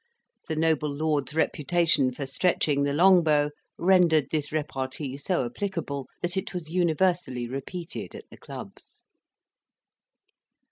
The noble lord's reputation for stretching the long bow rendered this repartee so applicable, that it was universally repeated at the clubs.